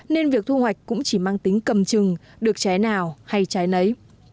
nên việc thu hoạch cũng chỉ mang tính cầm chừng được trái nào hay trái nấy